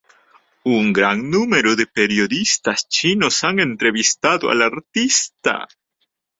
Un gran número de periodistas chinos han entrevistado al artista.